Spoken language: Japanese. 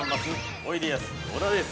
おいでやす小田です。